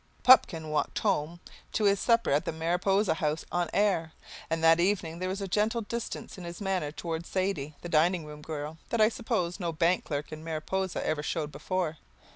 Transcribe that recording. Pupkin walked home to his supper at the Mariposa House on air, and that evening there was a gentle distance in his manner towards Sadie, the dining room girl, that I suppose no bank clerk in Mariposa ever showed before.